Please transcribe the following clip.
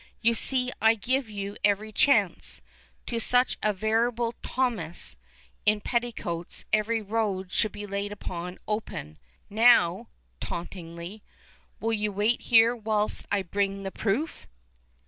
You see I give you every chance. To such a veritable 'Thomas' in petticoats every road should be laid open. Now" tauntingly "will you wait here whilst I bring the proof?"